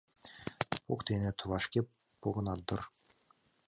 Поктеныт, вашке погынат дыр.